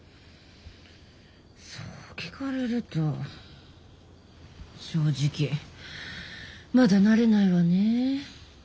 そう聞かれると正直まだ慣れないわねぇ。